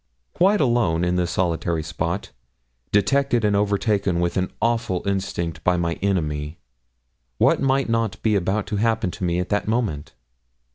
Quite alone, in this solitary spot, detected and overtaken with an awful instinct by my enemy, what might not be about to happen to me at that moment?